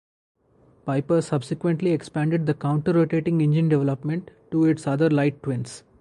Piper subsequently expanded the counter-rotating engine development to its other light twins.